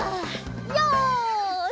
よし！